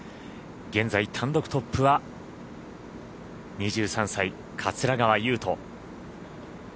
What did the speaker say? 現在、単独トップは２３歳、桂川有人。